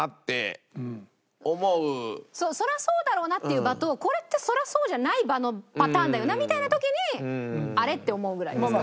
そりゃそうだろうなっていう場とこれってそりゃそうじゃない場のパターンだよなみたいな時にあれ？って思うぐらいですかね。